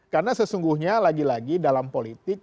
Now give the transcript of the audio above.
karena sesungguhnya lagi lagi dalam politik